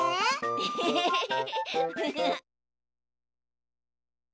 エヘヘヘヘ。